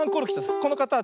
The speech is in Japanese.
このかたち。